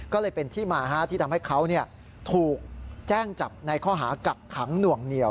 ก็เลยเป็นที่มาที่ทำให้เขาถูกแจ้งจับในข้อหากักขังหน่วงเหนียว